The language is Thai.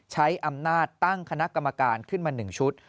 ใช้อำนาจตั้งคณะกรรมการขึ้นมา๑ชุด